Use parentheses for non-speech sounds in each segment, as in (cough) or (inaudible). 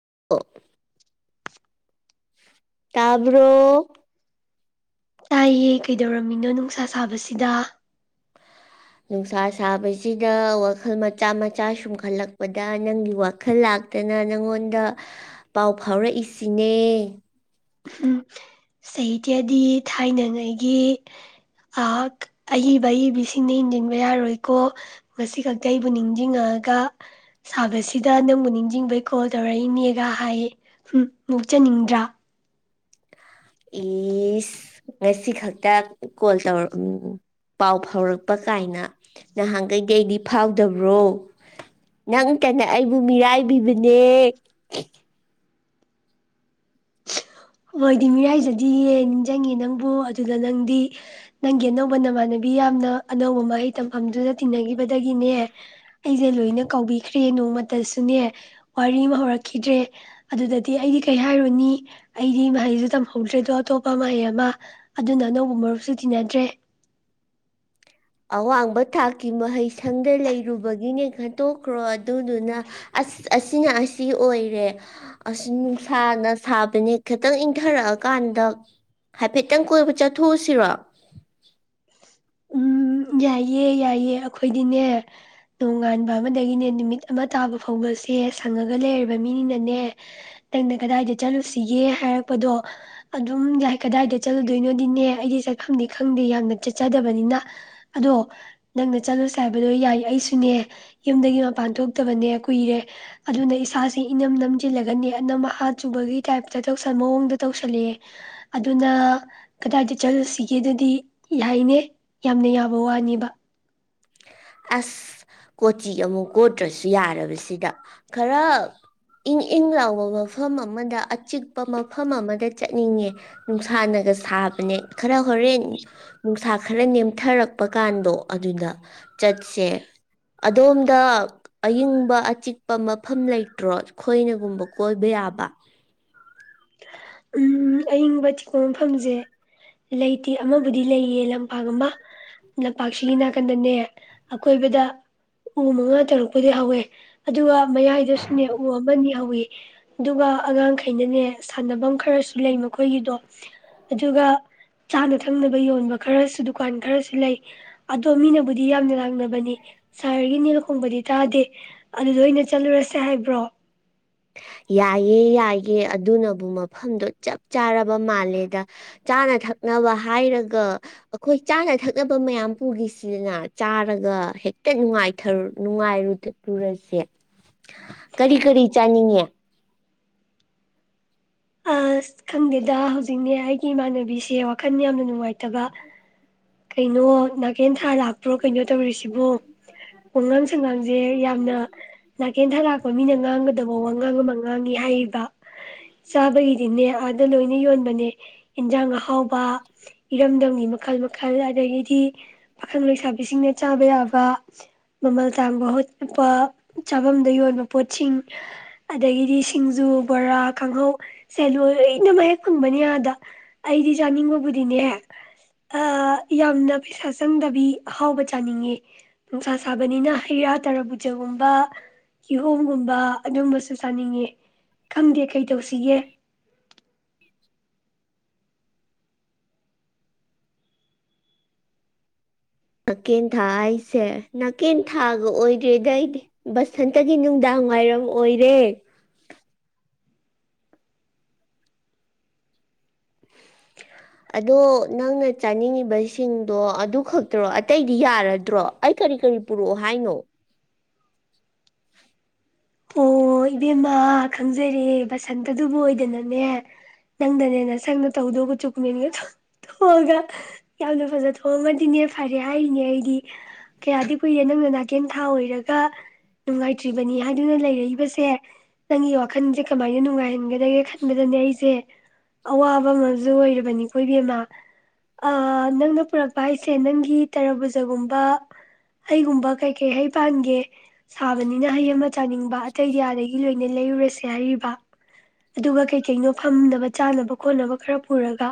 (inaudible) ꯇꯕꯔꯣ ꯇꯥꯏꯌꯦ ꯀꯩꯗꯧꯔꯝꯃꯤꯅꯣ ꯅꯨꯡꯁꯥ ꯁꯥꯕꯁꯤꯗ ꯅꯨꯡꯁꯥ ꯁꯥꯕꯁꯤꯗ ꯋꯥꯈꯜ ꯃꯆꯥ ꯃꯆꯥ ꯁꯨꯝꯈꯠꯂꯛꯄꯗ ꯅꯪꯒꯤ ꯋꯥꯈꯜ ꯂꯥꯛꯇꯅ ꯅꯪꯉꯣꯟꯗ ꯄꯥꯎ ꯐꯥꯎꯔꯛꯏꯁꯤꯅꯦ ꯎ ꯁꯍꯤꯇ꯭ꯗꯤ ꯊꯥꯏꯅꯉꯩꯒꯤ ꯑꯏꯕ ꯑꯏꯕꯤꯁꯤꯡꯅ ꯏꯟꯖꯤꯟꯕ ꯌꯥꯔꯣꯏꯀꯣ ꯉꯁꯤ ꯈꯛꯇ ꯑꯩꯕꯨ ꯅꯤꯡꯁꯤꯡꯉꯛꯒ ꯁꯥꯕꯁꯤꯗ ꯅꯪꯕꯨ ꯅꯤꯡꯁꯤꯡꯕꯩ ꯀꯣꯜ ꯇꯧꯔꯛꯏꯅꯦꯒ ꯍꯥꯏ ꯎ ꯃꯣꯛꯆꯅꯤꯡꯗ꯭ꯔꯥ ꯏꯁꯁ ꯉꯁꯤ ꯈꯛꯇ ꯀꯣꯜ ꯇꯧꯔꯛ ꯎꯝ ꯎꯃ ꯄꯥꯎ ꯐꯥꯎꯔꯛꯄ ꯀꯥꯏꯅ ꯅꯍꯥꯟꯒꯩꯗꯤ ꯑꯩꯗꯤ ꯐꯥꯎꯗꯕ꯭ꯔꯣ ꯅꯪ ꯀꯟꯅ ꯑꯩꯕꯨ ꯃꯤꯔꯥꯏꯕꯤꯕꯅꯦ ꯃꯣꯏꯗꯤ ꯃꯤꯔꯥꯏꯖꯗꯤꯌꯦ ꯅꯤꯡꯖꯡꯉꯦ ꯅꯪꯕꯨ ꯑꯗꯨꯗ ꯅꯪꯗꯤ ꯅꯪꯒꯤ ꯑꯅꯧꯕ ꯅꯃꯥꯟꯅꯕꯤ ꯌꯥꯝꯅ ꯑꯅꯧꯕ ꯃꯍꯩ ꯇꯝꯐꯝꯗꯨꯗ ꯇꯤꯟꯅꯒꯤꯕꯗꯒꯤꯅꯦ ꯑꯩꯁꯦ ꯂꯣꯏꯅ ꯀꯥꯎꯕꯤꯈ꯭ꯔꯦ ꯅꯣꯡꯃꯇꯁꯨꯅꯦ ꯋꯥꯔꯤ ꯑꯃ ꯍꯧꯔꯛꯈꯤꯗ꯭ꯔꯦ ꯑꯗꯨꯗꯗꯤ ꯑꯩꯗꯤ ꯀꯩ ꯍꯥꯏꯔꯨꯅꯤ ꯑꯩꯗꯤ ꯃꯍꯩꯁꯨ ꯇꯝꯍꯧꯗ꯭ꯔꯦꯗꯣ ꯑꯇꯣꯞꯄ ꯃꯍꯩ ꯑꯃ ꯑꯗꯨꯅ ꯑꯅꯧꯕ ꯃꯔꯨꯞꯁꯨ ꯇꯤꯟꯅꯗ꯭ꯔꯦ ꯑꯋꯥꯡꯕ ꯊꯥꯛꯀꯤ ꯃꯍꯩꯁꯪꯗ ꯂꯩꯔꯨꯕꯒꯤꯅꯦ ꯈꯟꯇꯣꯛꯈ꯭ꯔꯣ ꯑꯗꯨꯗꯨꯅ ꯑꯁ ꯑꯁꯤꯅ ꯑꯁꯤ ꯑꯣꯏꯔꯦ ꯑꯁ ꯅꯨꯡꯁꯥꯅ ꯁꯥꯕꯅꯦ ꯈꯤꯇꯪ ꯏꯪꯊꯔꯛꯑꯀꯥꯟꯗ ꯍꯥꯏꯐꯦꯠꯇꯪ ꯀꯣꯏꯕ ꯆꯠꯊꯣꯛꯎꯁꯤꯔꯣ ꯎꯝ ꯌꯥꯏꯌꯦ ꯌꯥꯏꯌꯦ ꯑꯈꯣꯏꯗꯤꯅꯦ ꯅꯣꯡꯉꯥꯟꯕ ꯑꯃꯗꯒꯤꯅꯦ ꯅꯨꯃꯤꯠ ꯑꯃ ꯇꯥꯕ ꯐꯥꯎꯕꯁꯦ ꯁꯪꯉꯒ ꯂꯩꯔꯕ ꯃꯤꯅꯤꯅꯅꯦ ꯅꯪꯅ ꯀꯗꯥꯏꯗ ꯆꯠꯂꯨꯁꯤꯒꯦ ꯍꯥꯏꯔꯛꯄꯗꯣ ꯑꯗꯨꯝ ꯌꯥꯏ ꯀꯗꯥꯏꯗ ꯆꯠꯂꯨꯗꯣꯏꯅꯣꯗꯤꯅꯦ ꯑꯩꯗꯤ ꯆꯠꯐꯝꯗꯤ ꯈꯪꯗꯦ ꯌꯥꯝꯅ ꯆꯠꯆꯅꯤ ꯆꯠꯗꯕꯅꯤꯅ ꯑꯗꯣ ꯅꯪꯅ ꯆꯠꯂꯨꯁꯦ ꯍꯥꯏꯕꯗꯣ ꯌꯥꯏ ꯑꯩꯁꯨꯅꯦ ꯌꯨꯝꯗꯒꯤ ꯃꯄꯥꯟ ꯊꯣꯛꯇꯕꯅꯦ ꯀꯨꯏꯔꯦ ꯑꯗꯨꯅ ꯏꯁꯥꯁꯦ ꯏꯅꯝ ꯅꯝꯖꯤꯜꯂꯒꯅꯦ ꯑꯅꯝ ꯑꯍꯥ ꯆꯨꯕꯒꯤ ꯇꯥꯏꯞꯇ ꯇꯧꯁ ꯃꯑꯣꯡꯗ ꯇꯧꯁꯜꯂꯑꯦ ꯑꯗꯨꯅ ꯀꯗꯥꯏꯗ ꯆꯠꯂꯨꯁꯤꯒꯦꯗꯨꯗꯤ ꯥꯏꯅꯦ ꯌꯥꯝꯅ ꯌꯥꯕ ꯋꯥꯅꯦꯕ ꯑꯁ ꯀꯣꯆꯤ ꯑꯃꯨꯛ ꯀꯣꯠꯇ꯭ꯔꯁꯨ ꯌꯥꯔꯕꯁꯤꯗ ꯈꯔ ꯏꯪ ꯏꯪ ꯂꯥꯎꯕ ꯃꯐꯝ ꯑꯃꯗ ꯑꯆꯤꯛꯄ ꯃꯐꯝ ꯑꯃꯗ ꯆꯠꯅꯤꯡꯉꯦ ꯅꯨꯡꯁꯥꯅꯒ ꯁꯥꯕꯅꯦ ꯈꯔ ꯍꯣꯔꯦꯟ ꯅꯨꯡꯁꯥ ꯈꯔ ꯅꯦꯝꯊꯔꯛꯄ ꯀꯥꯟꯗꯣ ꯑꯗꯨꯗ ꯆꯠꯁꯦ ꯑꯗꯣꯝꯗ ꯑꯏꯪꯕ ꯑꯆꯤꯛꯄ ꯃꯐꯝ ꯂꯩꯇ꯭ꯔꯣ ꯈꯣꯏꯅꯒꯨꯝꯕ ꯀꯣꯏꯕ ꯌꯥꯕ ꯎꯝ ꯑꯏꯤꯡꯕ ꯆꯤꯛꯄ ꯃꯐꯝꯁꯦ ꯂꯩꯇꯦ ꯑꯃꯕꯨꯗꯤ ꯂꯩꯌꯦ ꯂꯝꯄꯥꯛ ꯑꯃ ꯂꯝꯄꯥꯛꯁꯤꯒꯤ ꯅꯥꯀꯟꯗꯅꯦ ꯑꯀꯣꯏꯕꯗ ꯎ ꯃꯉꯥ ꯇꯔꯨꯛꯄꯗꯤ ꯍꯧꯋꯦ ꯑꯗꯨꯒ ꯃꯌꯥꯏꯗꯁꯨꯅꯦ ꯎ ꯑꯃꯅꯤ ꯍꯧꯋꯦ ꯑꯗꯨꯒ ꯑꯉꯥꯡꯈꯩꯅꯅꯦ ꯁꯥꯟꯅꯕꯝ ꯈꯔꯁꯨ ꯂꯩ ꯃꯈꯣꯏꯒꯤꯗꯣ ꯑꯗꯨꯒ ꯆꯥꯅ ꯊꯛꯅꯕ ꯌꯣꯟꯕ ꯈꯔꯁꯨ ꯗꯨꯀꯥꯟ ꯈꯔꯁꯨ ꯂꯩ ꯑꯗꯣ ꯃꯤꯅꯕꯨꯗꯤ ꯌꯥꯝꯅ ꯂꯥꯡꯅꯕꯅꯤ ꯁꯍꯔꯒꯤ ꯅꯤꯜ ꯈꯣꯡꯕꯗꯤ ꯇꯥꯗꯦ ꯑꯗꯨꯗ ꯑꯣꯏꯅ ꯆꯠꯂꯨꯔꯁꯦ ꯍꯥꯏꯕ꯭ꯔꯣ ꯌꯥꯏꯌꯦ ꯌꯥꯏꯌꯦ ꯑꯗꯨꯅꯕꯨ ꯃꯐꯝꯗꯣ ꯆꯞ ꯆꯥꯔꯕ ꯃꯥꯜꯂꯦꯗ ꯆꯥꯅ ꯊꯛꯅꯕ ꯍꯥꯏꯔꯒ ꯑꯈꯣꯏ ꯆꯥꯅ ꯊꯛꯅꯕ ꯃꯌꯥꯝ ꯄꯨꯈꯤꯁꯤꯅ ꯆꯥꯔꯒ ꯍꯦꯛꯇꯅꯨꯡꯉꯥꯏꯊꯔ ꯅꯨꯡꯉꯥꯏꯔꯨꯔꯁꯦ ꯀꯔꯤ ꯀꯔꯤ ꯆꯅꯤꯡꯉꯦ ꯑꯁ ꯈꯪꯗꯦꯗ ꯍꯧꯖꯤꯛꯅꯦ ꯑꯩꯒꯤ ꯏꯃꯥꯟꯅꯕꯤꯁꯦ ꯋꯥꯈꯜ ꯌꯥꯝꯅ ꯅꯨꯡꯉꯥꯏꯇꯕ ꯀꯩꯅꯣ ꯅꯥꯀꯦꯟ ꯊꯥ ꯂꯥꯛꯄ꯭ꯔꯣ ꯀꯩꯅꯣ ꯇꯧꯔꯤꯁꯤꯕꯣ ꯋꯥꯉꯥꯡ ꯁꯉꯥꯡꯁꯦ ꯌꯥꯝꯅ ꯅꯥꯀꯦꯟꯊꯥ ꯂꯥꯛꯄ ꯃꯤꯅ ꯉꯥꯡꯒꯗꯕ ꯋꯥꯉꯥꯡ ꯑꯃ ꯉꯥꯡ ꯅꯤ ꯍꯥꯏꯕ ꯆꯥꯕꯩꯗꯤꯅꯦ ꯑꯥꯗ ꯂꯣꯏꯅ ꯌꯣꯟꯕꯅꯦ ꯏꯟꯖꯥꯡ ꯑꯍꯥꯎꯕ ꯏꯔꯝꯗꯝꯒꯤ ꯃꯈꯜ ꯃꯈꯜ ꯑꯗꯒꯤꯗꯤ ꯄꯥꯈꯪ ꯂꯩꯁꯥꯕꯤꯁꯤꯡꯅ ꯆꯥꯕ ꯌꯥꯕ ꯃꯃꯜ ꯇꯥꯡꯕ ꯍꯣꯠꯄ ꯆꯥꯕꯝꯗ ꯌꯣꯟꯕ ꯄꯣꯠꯁꯤꯡ ꯑꯗꯒꯤꯗꯤ ꯁꯤꯡꯖꯨ ꯕꯣꯔꯥ ꯀꯥꯡꯍꯧ ꯁꯦ ꯂꯣꯏ ꯑꯣꯏꯅ ꯌꯦꯛ ꯐꯪꯕꯅꯤ ꯑꯗ ꯑꯩꯗꯤ ꯆꯥꯅꯤꯡꯕꯕꯨꯗꯤꯅꯦ ꯑ ꯌꯥꯝꯅ ꯄꯩꯁꯥ ꯆꯪꯗꯕꯤ ꯑꯍꯥꯎꯕ ꯆꯥꯅꯤꯡꯉꯦ ꯅꯨꯡꯁꯥ ꯁꯥꯕꯅꯤꯅ ꯍꯩꯔꯥ ꯇꯔꯥꯕꯨꯖꯒꯨꯝꯕ ꯀꯤꯍꯣꯝꯒꯨꯝꯕ ꯑꯗꯨꯝꯕꯁꯨ ꯆꯥꯅꯤꯡꯉꯦ ꯈꯪꯗꯦ ꯀꯩ ꯇꯧꯁꯤ ꯌꯦ ꯅꯥꯀꯦꯟꯊꯥ ꯍꯥꯏꯁꯦ ꯅꯥꯀꯦꯟ ꯊꯥꯒ ꯑꯣꯏꯗ꯭ꯔꯦꯗ ꯑꯩꯗꯤ ꯕꯁꯟꯇꯒꯤ ꯅꯨꯡꯗꯥꯡ ꯋꯥꯏꯔꯝ ꯑꯣꯏꯔꯦ ꯑꯗꯣ ꯅꯪꯅ ꯆꯥꯅꯤꯡꯉꯤꯕꯁꯤꯡꯗꯣ ꯑꯗꯨ ꯈꯛꯇꯔꯣ ꯑꯇꯩꯗꯤ ꯌꯥꯔꯗ꯭ꯔꯣ ꯑꯩ ꯀꯔꯤ ꯀꯔꯤ ꯄꯨꯔꯛꯑꯣ ꯍꯥꯏꯅꯣ ꯑꯣ ꯏꯕꯦꯝꯃꯥ ꯈꯪꯖꯔ ꯕꯁꯟꯇ ꯗꯨꯕꯨ ꯑꯣꯏꯗꯅꯅꯦ ꯅꯪꯗꯅꯦꯅ ꯅꯁꯡ ꯇꯧꯗꯧꯕ ꯆꯨꯀꯅꯦꯃꯤ ꯑꯗꯣ ꯊꯣꯡꯉꯒ ꯌꯥꯝꯅ ꯐꯖ ꯊꯣꯡꯉꯃꯗꯤꯅꯦ ꯐꯔꯦ ꯍꯥꯏꯔꯤꯅꯦ ꯑꯩꯗꯤ ꯀꯌꯥꯗꯤ ꯀꯨꯏꯔꯦ ꯅꯪꯅ ꯅꯥꯀꯦꯟ ꯊꯥ ꯑꯣꯏꯔꯒ ꯅꯨꯡꯉꯥꯏꯇ꯭ꯔꯤꯕꯅꯤ ꯍꯥꯏꯒ ꯍꯥꯏꯗꯨꯅ ꯂꯩꯔꯛꯏꯕꯁꯦ ꯅꯪꯒꯤ ꯋꯥꯈꯟꯁꯦ ꯀꯃꯥꯏꯅ ꯅꯨꯡꯉꯥꯏꯍꯟꯒ ꯂꯩꯔꯦ ꯈꯟꯕꯗꯅꯦ ꯑꯩꯁꯦ ꯑꯋꯥꯕ ꯑꯃꯖꯨ ꯑꯣꯏꯔꯕꯅꯤꯀꯣ ꯏꯕꯤꯃ ꯑ ꯅꯪꯅ ꯄꯨꯔꯛꯄ ꯍꯥꯏꯁꯦ ꯅꯪꯒꯤ ꯇꯔꯕꯨꯖꯒꯨꯝꯕ ꯍꯩꯒꯨꯝꯕ ꯀꯩꯀꯩ ꯍꯩ ꯄꯥꯟꯒꯦ ꯁꯥꯕꯅꯤꯅ ꯍꯩ ꯑꯃ ꯆꯥꯅꯤꯡꯕ ꯑꯇꯩꯗꯤ ꯑꯥꯗꯒꯤ ꯂꯣꯏꯅ ꯂꯩꯔꯨꯔꯁꯦ ꯍꯥꯏꯔꯤꯕ ꯑꯗꯨꯒ ꯀꯩ ꯀꯩꯅꯣ ꯐꯝꯅꯕ ꯆꯥꯅꯕ ꯈꯣꯠꯅꯕ ꯈꯔ ꯄꯨꯔꯒ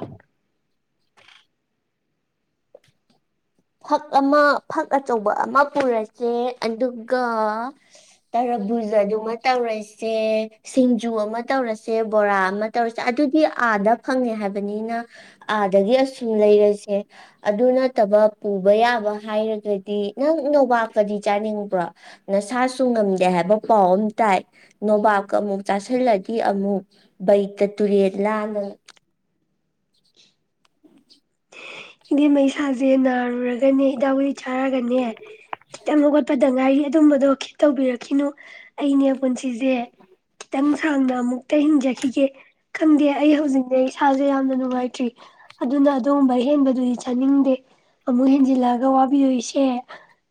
ꯐꯛ ꯑꯃ ꯐꯛ ꯑꯆꯧꯕ ꯑꯃ ꯄꯨꯔꯁꯦ ꯑꯗꯨꯒ ꯇꯔꯕꯨꯖ ꯗꯨꯃ ꯇꯧꯔꯁꯦ ꯁꯤꯡꯖꯨ ꯑꯃ ꯇꯧꯔꯁꯦ ꯕꯣꯔꯥ ꯑꯃ ꯇꯧꯔꯁꯦ ꯑꯗꯨꯗꯤ ꯑꯥꯗ ꯐꯪꯉꯦ ꯍꯥꯏꯕꯅꯤꯅ ꯑꯥꯗꯒꯤ ꯑꯁꯨꯝ ꯂꯩꯔꯁꯦ ꯑꯗꯨ ꯅꯠꯇꯕ ꯄꯨꯕ ꯌꯥꯕ ꯍꯥꯏꯔꯒꯗꯤ ꯅꯪ ꯅꯣꯕꯥꯥꯛꯀꯗꯤ ꯆꯥꯅꯤꯡꯕ꯭ꯔꯣ ꯅꯁꯥꯁꯨ ꯉꯝꯗꯦ ꯍꯥꯏꯕ ꯄꯥꯎ ꯑꯃ ꯇꯥꯏ ꯅꯣꯕꯥꯥꯛꯀ ꯑꯃꯨꯛ ꯆꯥꯁꯤꯜꯂꯗꯤ ꯑꯃꯨꯛ ꯕꯩꯇ ꯇꯨꯔꯦꯟꯂꯥꯅ (inaudible) ꯏꯗꯤꯦꯝ ꯏꯁꯥꯁꯦ ꯅꯥꯔꯨꯔꯒꯅꯦ ꯍꯤꯗꯥꯛ ꯍ ꯆꯥꯔꯒꯅꯦ ꯈꯤꯇꯪ ꯑꯃꯒꯠꯄꯗ ꯉꯥꯏ ꯑꯗꯨꯝꯕꯗꯣ ꯈꯤ ꯇꯧꯕꯤꯔꯛꯈꯤꯅꯨ ꯑꯩꯅꯦ ꯄꯨꯟꯁꯤꯁꯦ ꯈꯤꯇꯪ ꯁꯥꯡꯅ ꯑꯃꯨꯛꯇ ꯍꯤꯡꯖꯈꯤꯒꯦ ꯈꯪꯗꯦ ꯑꯩ ꯍꯧꯖꯤꯛꯅꯦ ꯏꯁꯥꯥꯁꯦ ꯌꯥꯝꯅ ꯅꯨꯡꯉꯥꯏꯇ꯭ꯔꯤ ꯑꯗꯨꯅ ꯑꯗꯨꯒꯨꯝꯕ ꯍꯦꯟꯕꯗ ꯑꯗꯨꯗꯤ ꯆꯥꯅꯤꯡꯗꯦ ꯑꯃꯨꯛ ꯍꯦꯟꯖꯤꯜꯂꯑꯒ ꯋꯥꯕꯤ ꯑꯣꯏ ꯑꯩꯁꯦ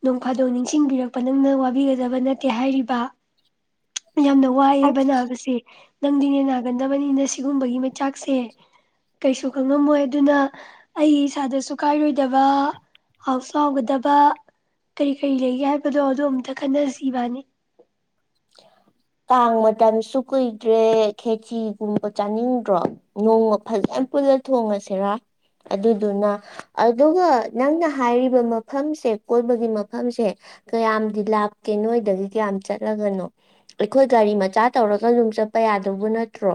ꯅꯣꯡꯐꯥꯗꯣꯛ ꯅꯤꯡꯁꯤꯡꯕꯤꯔꯛꯄ ꯅꯪꯅ ꯋꯥꯕꯤꯒꯗꯕ ꯅꯠꯇꯦ ꯍꯥꯏꯔꯤꯕ ꯌꯥꯝꯅ ꯋꯥꯏꯑꯦꯕꯅꯥꯕꯁꯦ ꯅꯪꯗꯤꯅꯦ ꯅꯥꯒꯟꯗꯕꯅꯤꯅ ꯁꯤꯒꯨꯝꯕꯒꯤ ꯃꯆꯥꯛꯁꯦ ꯀꯩꯁꯨ ꯈꯪꯉꯝꯃꯣꯏ ꯑꯗꯨꯅ ꯑꯩ ꯏꯁꯥꯗꯁꯨ ꯀꯥꯏꯔꯣꯏꯗꯕ ꯍꯥꯎꯁ ꯍꯥꯎꯒꯗꯕ ꯀꯔꯤ ꯀꯔꯤ ꯂꯩꯒꯦ ꯍꯥꯏꯕꯗꯣ ꯑꯗꯨ ꯑꯝꯇ ꯈꯟꯅꯁꯤꯕꯥꯅꯤ ꯀꯥꯡ ꯃꯇꯝꯁꯨ ꯀꯨꯏꯗ꯭ꯔꯦ ꯈꯦꯆꯤꯒꯨꯝꯕ ꯆꯥꯅꯤꯡꯗ꯭ꯔꯣ ꯅꯣꯡꯃꯜ ꯌꯥꯝ ꯄꯨꯜꯂ ꯊꯣꯡꯉꯁꯤꯔꯥ ꯑꯗꯨꯗꯨꯅ ꯑꯗꯨꯒ ꯅꯪꯅ ꯍꯥꯏꯔꯤꯕ ꯃꯐꯝꯁꯦ ꯀꯣꯏꯕꯒꯤ ꯃꯐꯝꯁꯦ ꯀꯌꯥꯝꯗꯤ ꯂꯥꯞꯀꯦ ꯅꯣꯏꯗꯒꯤ ꯀꯌꯥꯝ ꯆꯠꯂꯒꯅꯣ ꯑꯩꯈꯣꯏ ꯒꯥꯔꯤ ꯃꯆꯥ ꯇꯧꯔꯒ ꯑꯗꯨꯝ ꯆꯠꯄ ꯌꯥꯗꯧꯕ ꯅꯠꯇ꯭ꯔꯣ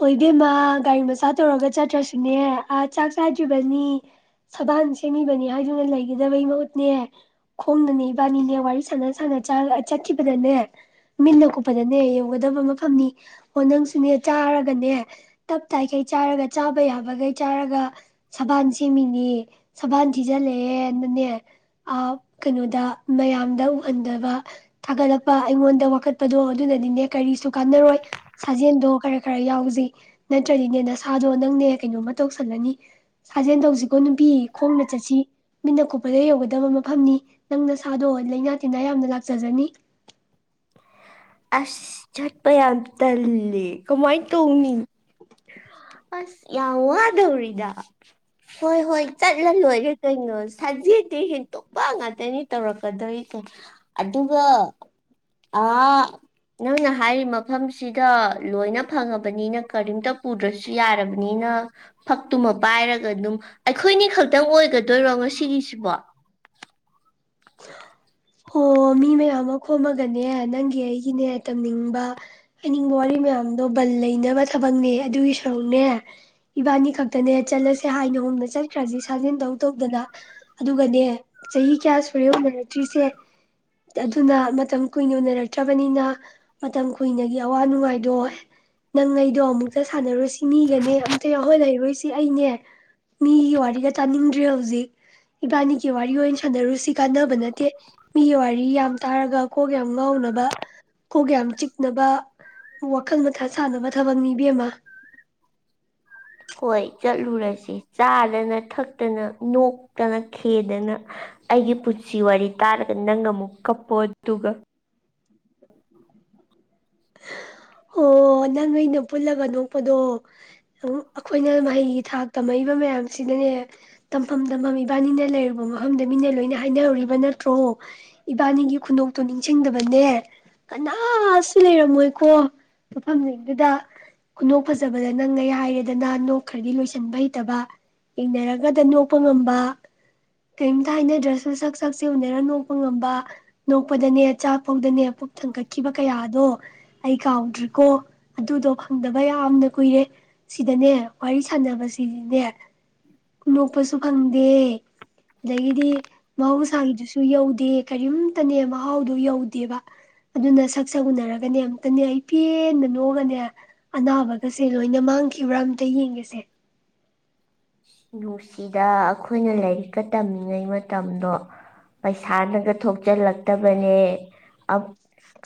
ꯍꯣꯏ ꯏ ꯕꯦꯝꯃ ꯒꯥꯔꯤ ꯃꯆꯥ ꯇꯧꯔꯒ ꯆꯠꯇ꯭ꯔꯁꯨꯅꯦ ꯑꯥ ꯆꯥꯛ ꯆꯥꯗ꯭ꯔꯤꯕꯅꯤ ꯁꯕꯥꯡ ꯁꯦꯝꯃꯤꯕꯅꯤ ꯍꯥꯏꯗꯨꯅ ꯂꯩꯒꯗꯕꯩ ꯃꯍꯨꯠꯅꯦ ꯈꯣꯡꯗꯅꯦ ꯏꯕꯥꯅꯤꯅꯦ ꯋꯥꯔꯤ ꯁꯥꯟꯅ ꯁꯅ ꯆꯠꯈꯤꯕꯗꯅꯦ ꯃꯤꯟꯅ ꯀꯨꯞꯄꯗꯅꯦ ꯌꯧꯒꯗꯕ ꯃꯐꯝꯅꯤ ꯑꯣ ꯅꯪꯁꯨꯅꯦ ꯆꯥ ꯅꯦ ꯇꯞ ꯇꯈꯩ ꯆꯥꯔꯒ ꯆꯥꯕ ꯌꯥꯕꯈꯩ ꯆꯥꯔꯒ ꯁꯕꯥꯟ ꯁꯦꯝꯃꯤꯅꯤ ꯁꯕꯥꯟ ꯊꯤꯖꯤꯜꯂꯑꯦꯅꯅꯦ ꯀꯩꯅꯣꯗ ꯃꯌꯥꯝꯗ ꯎꯍꯟꯗꯕ ꯊꯥꯒꯠꯂꯛꯄ ꯑꯩꯉꯣꯟꯗ ꯋꯥꯀꯠꯄꯗꯣ ꯑꯗꯨꯅꯅꯤꯅꯦ ꯀꯔꯤꯁꯨ ꯀꯥꯟꯅꯔꯣꯏ ꯁꯥꯖꯦꯜꯗꯣ ꯈꯔ ꯈꯔ ꯌꯥꯎꯖꯩ ꯅꯠꯇ꯭ꯔꯗꯤꯅꯦ ꯅꯁꯥꯗꯣ ꯅꯪꯅꯦ ꯀꯩꯅꯣꯝꯃ ꯇꯧꯁꯜꯂꯅꯤ ꯁꯥꯖꯦꯜ ꯇꯧꯁꯤꯀꯣ ꯅꯨꯄꯤ ꯈꯣꯡꯅ ꯆꯠꯁꯤ ꯃꯤꯠꯅ ꯀꯨꯞꯄꯗ ꯌꯧꯒꯗꯕ ꯃꯐꯝꯅꯤ ꯅꯪ ꯅꯁꯥꯗꯣ ꯂꯩꯥꯏꯅꯥ ꯇꯤꯟꯅꯥ ꯌꯥꯝꯅ ꯂꯥꯛꯆꯖꯅꯤ ꯑꯁ ꯆꯠꯄ ꯌꯥꯝ ꯇꯜꯂꯦ ꯀꯃꯥꯏꯅ ꯇꯧꯅꯤ ꯑꯁ ꯌꯥꯝ ꯋꯥꯗꯧꯔꯤꯗ ꯍꯣꯏ ꯍꯣꯏ ꯆꯠꯂ ꯑꯣꯏꯣꯏꯒꯦ ꯀꯩꯅꯣ ꯁꯖꯦꯠꯇꯤ ꯍꯦꯟꯇꯣꯛꯄ ꯉꯥꯛꯇꯅꯤ ꯇꯧꯔꯛꯀꯗꯣꯔꯤꯁꯦ ꯑꯗꯨꯒ ꯑ ꯅꯪꯅ ꯍꯥꯏꯔꯤꯕ ꯃꯐꯝꯁꯤꯗ ꯂꯣꯏꯅ ꯐꯪꯉꯕꯅꯤꯅ ꯀꯔꯤꯝꯇ ꯄꯨꯗ꯭ꯔꯁꯨ ꯌꯥꯔꯕꯅꯤꯅ ꯐꯛꯇꯨꯃ ꯄꯥꯏꯔꯒ ꯑꯗꯨꯝ ꯑꯩꯈꯣꯏꯅꯤ ꯈꯛꯇꯪ ꯑꯣꯏꯒꯗꯣꯏꯔꯣ ꯉꯁꯤꯒꯤꯁꯤꯕꯣ ꯑꯣ ꯃꯤ ꯃꯌꯥꯝ ꯑꯃ ꯈꯣꯝꯃꯒꯅꯦ ꯅꯪꯒꯤ ꯑꯩꯒꯤꯅꯦ ꯇꯝꯅꯤꯡꯕ ꯍꯥꯏꯅꯤꯡꯕ ꯋꯥꯔꯤ ꯃꯌꯥꯝꯗꯣ ꯕꯟ ꯂꯩꯅꯕ ꯊꯕꯛꯅꯦ ꯑꯗꯨꯒꯤ ꯁꯔꯨꯛꯅꯦ ꯏꯕꯥꯅꯤ ꯈꯛꯇꯅꯦ ꯆꯠꯂꯁꯦ ꯍꯥꯏꯅꯒꯣꯨꯝꯗ ꯆꯠꯈ꯭ꯔꯁꯤ ꯁꯥꯖꯤꯟ ꯇꯧ ꯇꯧꯗꯅ ꯑꯗꯨꯒꯅꯦ ꯆꯍꯤ ꯀꯌꯥ ꯁ ꯍꯣꯔꯦꯟ ꯎꯅꯔꯛꯇ꯭ꯔꯤꯁꯦ ꯑꯗꯨꯅ ꯃꯇꯝ ꯀꯨꯏꯅ ꯎꯅꯔꯛꯇ꯭ꯔꯕꯅꯤꯅ ꯃꯇꯝ ꯀꯨꯏꯅꯒꯤ ꯑꯋꯥ ꯅꯨꯡꯉꯥꯏꯗꯣ ꯅꯪ ꯑꯩꯗꯣ ꯑꯃꯨꯛꯇ ꯁꯥꯟꯅꯔꯨꯁꯤ ꯃꯤꯒꯅꯦ ꯑꯝꯇ ꯌꯥꯎꯍꯣꯏ ꯂꯩꯔꯨꯁꯤ ꯑꯩꯅꯦ ꯃꯤꯒꯤ ꯋꯥꯔꯤꯒ ꯇꯥꯅꯤꯡꯗ꯭ꯔꯦ ꯍꯧꯖꯤꯛ ꯏꯕꯥꯅꯤꯒꯤ ꯋꯥꯔꯤ ꯑꯣꯏꯅ ꯁꯥꯟꯅꯔꯨꯁꯤ ꯀꯥꯟꯅꯕ ꯅꯠꯇꯦ ꯃꯤꯒꯤ ꯋꯥꯔꯤ ꯌꯥꯝ ꯇꯥꯔꯒ ꯀꯣꯒꯌꯥꯝ ꯉꯥꯎꯅꯕ ꯀꯣꯒꯌꯥꯝ ꯆꯤꯛꯅꯕ ꯋꯥꯈꯜ ꯃꯊꯥ ꯁꯥꯟꯅꯕ ꯊꯕꯛ ꯅꯤꯕꯤ ꯑꯃꯃ ꯍꯣꯏ ꯆꯠꯂꯨꯔꯁꯤꯦ ꯆꯥꯗꯅ ꯊꯛꯇꯅ ꯅꯣꯛꯇꯅ ꯈꯦꯗꯅ ꯑꯩꯒꯤ ꯄꯨꯟꯁꯤ ꯋꯥꯔꯤ ꯇꯥꯔꯒ ꯅꯪ ꯑꯃꯨꯛ ꯀꯞꯄꯣ ꯑꯗꯨꯒ ꯑꯣꯣ ꯅꯪ ꯅꯣꯏꯩꯅ ꯄꯨꯜꯂꯒ ꯅꯣꯛꯄꯗꯣ ꯑꯩꯈꯣꯏꯅ ꯃꯍꯩꯒꯤ ꯊꯥꯛ ꯇꯝꯃꯛꯏꯕ ꯃꯌꯥꯝꯁꯤꯅꯅꯦ ꯇꯝꯐꯝ ꯇꯝꯐꯝ ꯏꯕꯥꯅꯤꯅ ꯂꯩꯔꯨꯕ ꯃꯐꯝꯗ ꯃꯤꯅ ꯂꯣꯏꯅ ꯍꯥꯏꯅꯍꯨꯔꯤꯕ ꯅꯠꯇ꯭ꯔꯣ ꯏꯕꯥꯅꯤꯒꯤ ꯈꯨꯗꯣꯛꯇꯨ ꯅꯤꯡꯁꯤꯡꯗꯕꯅꯦ ꯀꯅꯥ ꯁꯤ ꯂꯩꯔꯝꯃꯣꯏꯀꯣ ꯃꯐꯝꯁꯤꯡꯗꯨꯗ ꯈꯨꯗꯣꯛ ꯐꯖꯕꯗ ꯅꯪ ꯉꯩ ꯍꯥꯏꯔꯦꯗꯅ ꯅꯣꯛ ꯈ꯭ꯔꯗꯤ ꯂꯣꯏꯁꯤꯟꯕ ꯍꯩꯇꯕ ꯌꯦꯡꯅꯔꯒꯗ ꯅꯣꯛꯄ ꯉꯝꯕ ꯀꯔꯤꯝꯇ ꯍꯥꯏꯅꯗ꯭ꯔꯁꯨ ꯁꯛ ꯁꯛꯁꯦ ꯎꯅꯔ ꯅꯣꯛꯄ ꯉꯝꯕ ꯅꯣꯛꯄꯗꯅꯦ ꯆꯥꯛꯐꯧꯗꯅꯦ ꯄꯨꯛ ꯊꯥꯡꯒꯠꯈꯤꯕ ꯀꯌꯥ ꯑꯗꯣ ꯑꯩ ꯀꯥꯎꯗ꯭ꯔꯤꯀꯣ ꯑꯗꯨꯗꯣ ꯐꯪꯗꯕ ꯌꯥꯝꯅ ꯀꯨꯏꯔꯦ ꯁꯤꯗꯅꯦ ꯋꯥꯔꯤ ꯁꯥꯟꯅꯕꯁꯤꯅꯦ ꯅꯣꯛꯄꯁꯨ ꯐꯪꯗꯦ ꯑꯗꯒꯤꯗꯤ ꯃꯍꯧꯁꯥꯒꯤꯗꯨꯁꯨ ꯌꯧꯗꯦ ꯀꯔꯤꯝꯇꯅꯦ ꯃꯍꯥꯎꯗꯣ ꯌꯧꯗꯦꯕ ꯑꯗꯨꯅꯛ ꯁꯛ ꯎꯅꯔꯒꯅꯦ ꯑꯝꯇꯅꯦ ꯑꯩ ꯄꯦꯟꯅ ꯅꯣꯛꯒꯅꯦ ꯑꯅꯥꯕꯒꯁꯦ ꯂꯣꯏꯅ ꯃꯥꯡꯈꯤꯕ꯭ꯔꯥ ꯑꯝꯇ ꯌꯦꯡꯒꯁꯦ ꯅꯨꯡꯁꯤꯗ ꯑꯩꯈꯣꯏꯅ ꯂꯥꯏꯔꯤꯛꯀ ꯇꯝꯃꯤꯉꯩ ꯃꯇꯝꯗꯣ ꯄꯩꯁꯥꯅꯒ ꯊꯣꯛꯆꯜꯂꯛꯇꯕꯅꯦ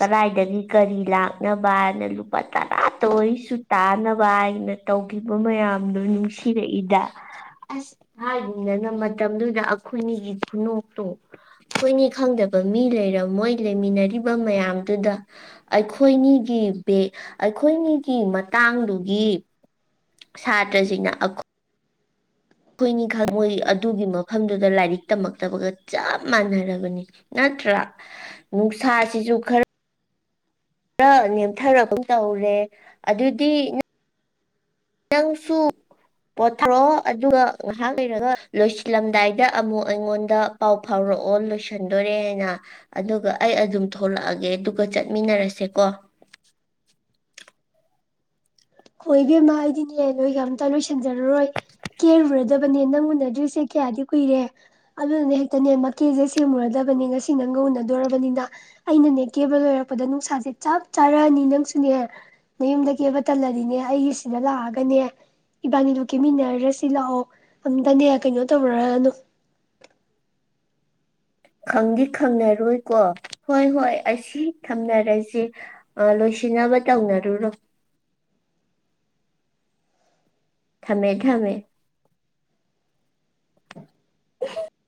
ꯀꯔꯏꯗꯒꯤ ꯀꯔꯤ ꯂꯥꯛ ꯌꯥ ꯕꯥꯥꯏꯔꯅꯂꯨ ꯑꯕ ꯇꯔꯇ ꯑꯣꯏꯁꯨꯨ ꯇꯥ ꯅ ꯕꯥꯏꯅ ꯇꯧꯈꯤꯕ ꯃꯌꯥꯝꯗꯨ ꯅꯨꯡꯁꯤꯔꯛꯏꯗ ꯑꯁ ꯍꯥꯏꯔꯤꯕꯅꯤꯅ ꯃꯇꯝꯗꯨꯗ ꯑꯩꯈꯣꯏꯅꯤꯒꯤ ꯈꯨꯅꯣꯛꯇ ꯑꯩꯈꯣꯏꯅꯤ ꯈꯪꯗꯕ ꯃꯤ ꯂꯩꯔꯝꯃꯣꯏ ꯂꯩꯃꯤꯟꯅꯔꯤꯕ ꯃꯌꯥꯝꯗꯨꯗ ꯑꯩꯈꯣꯏꯅꯤꯒꯤ ꯑꯩꯈꯣꯏꯅꯤꯒꯤ ꯃꯇꯥꯡꯗꯨꯒꯤ ꯁꯥꯇ꯭ꯔꯁꯤꯡꯅ ꯑꯩꯈꯣꯏꯅꯤ ꯈꯛ ꯃꯣꯏ ꯑꯗꯨꯒꯤ ꯃꯐꯝꯗꯨꯗ ꯂꯥꯏꯔꯤꯛ ꯇꯝꯃꯛꯇꯕꯒ ꯆꯞ ꯃꯥꯟꯅꯔꯕꯅꯤ ꯅꯠꯇ꯭ꯔꯥ ꯅꯨꯡꯁꯥꯁꯤꯁꯨ ꯈꯔ ꯈꯔ ꯅꯦꯝꯊꯔꯒꯨꯝ ꯇꯧꯔꯦ ꯑꯗꯨꯗꯤ ꯅꯪꯁꯨ ꯄꯣꯊꯣꯔꯛꯑꯣ ꯑꯗꯨꯒ ꯉꯥꯏꯍꯥꯛ ꯂꯩꯔꯒ ꯂꯣꯏꯁꯤꯜꯂꯝꯗꯥꯏꯗ ꯑꯃꯨꯛ ꯑꯩꯉꯣꯟꯗ ꯄꯥꯎ ꯐꯥꯎꯔꯛꯑꯣ ꯂꯣꯏꯁꯟꯗꯣꯔꯦ ꯍꯥꯏꯅ ꯑꯗꯨꯒ ꯑꯩ ꯑꯗꯨꯝ ꯊꯣꯛꯂꯛꯑꯒꯦ ꯑꯗꯨꯒ ꯆꯠꯃꯤꯟꯅꯔꯁꯦꯀꯣ ꯍꯣ ꯏꯕꯦꯝꯃ ꯑꯩꯗꯤꯅꯦ ꯅꯣꯏꯒ ꯑꯝꯇ ꯂꯣꯏꯁꯤꯟꯖꯔꯔꯣꯏ ꯀꯦꯔꯨꯔꯗꯕꯅꯦ ꯅꯪ ꯎꯅꯗ꯭ꯔꯤꯁꯦ ꯀꯌꯥꯗꯤ ꯀꯨꯏꯔꯦ ꯑꯗꯨꯗꯨꯅꯦ ꯍꯦꯛꯇꯅꯦ ꯃꯀꯦꯁꯦ ꯁꯦꯝꯃꯨꯔꯗꯕꯅꯦ ꯉꯁꯤ ꯅꯪꯒ ꯎꯅꯗꯣꯔꯔꯕꯅꯤꯅ ꯑꯩꯅꯅꯦ ꯀꯦꯕ ꯂꯣꯏꯔꯛꯄꯗ ꯅꯨꯡꯁꯥꯁꯦ ꯆꯞ ꯆꯥꯔꯛꯑꯅꯤ ꯅꯪꯁꯨꯅꯦ ꯃꯌꯨꯝꯗ ꯀꯦꯕ ꯇꯜꯂ ꯑꯗꯨꯗꯤꯅꯦ ꯑꯩꯒꯤꯁꯤꯗ ꯂꯥꯛꯑꯒꯅꯦ ꯏꯕꯥꯅꯤꯗꯨ ꯀꯦꯃꯤꯟꯅꯔꯔꯁꯤ ꯂꯥꯛꯑꯣ ꯑꯝꯇꯅꯦ ꯀꯩꯅꯣ ꯇꯧꯔꯅꯨ ꯈꯪꯗꯤ ꯈꯪꯅꯔꯨꯏꯀꯣ ꯍꯣꯏ ꯍꯣꯏ ꯑꯁꯤ ꯊꯝꯅꯔꯁꯤ ꯂꯣꯏꯁꯤꯟꯅꯕ ꯇꯧꯅꯔꯨꯔꯣ ꯊꯝꯃꯦ ꯊꯝꯃꯦ (unintelligible)